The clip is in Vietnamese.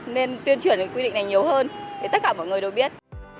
nên tuyên truyền quy định này nhiều hơn để tất cả mọi người đều biết